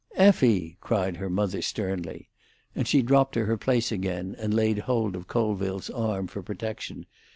"Effie!" cried her mother sternly; and she dropped to her place again, and laid hold of Colville's arm for protection.